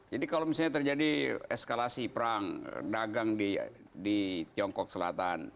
jadi kalau misalnya terjadi eskalasi perang dagang di tiongkok selatan